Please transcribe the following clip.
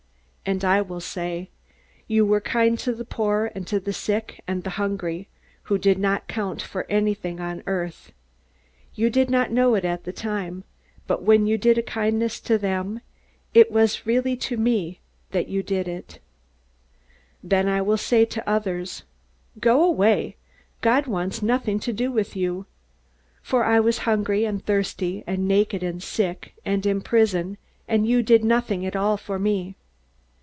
"And I will say: 'You were kind to the poor and the sick and the hungry, who did not count for anything on earth. You did not know it at the time, but when you did a kindness to them, it was to me you really did it.' "Then I will say to others: 'Go away. God wants nothing to do with you! For I was hungry, and thirsty, and naked, and sick, and in prison, and you did nothing at all for me.'